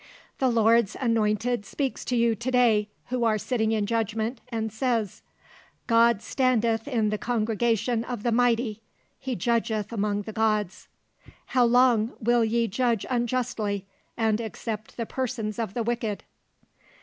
The Lord's Anointed speaks to you to day who are sitting in judgment, and says— "'God standeth in the congregation of the mighty: He judgeth among the gods. "'How long will ye judge unjustly, and accept the persons of the wicked?